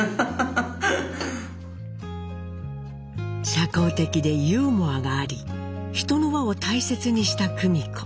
社交的でユーモアがあり人の輪を大切にした久美子。